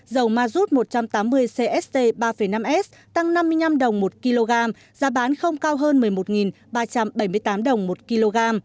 dầu mazut một trăm tám mươi cst ba năm s tăng năm mươi năm đồng một kg giá bán không cao hơn một mươi một ba trăm bảy mươi tám đồng một kg